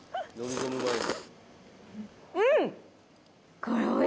うん！